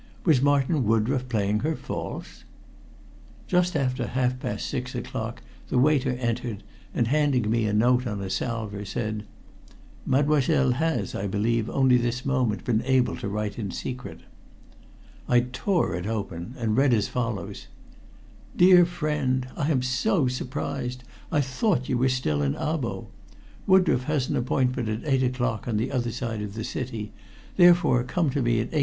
Was Martin Woodroffe playing her false? Just after half past six o'clock the waiter entered, and handing me a note on a salver, said "Mademoiselle has, I believe, only this moment been able to write in secret." I tore it open and read as follows: DEAR FRIEND. _I am so surprised. I thought you were still in Abo. Woodroffe has an appointment at eight o'clock on the other side of the city, therefore come to me at 8.15.